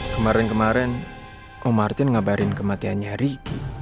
kemarin kemarin om martin ngabarin kematiannya riki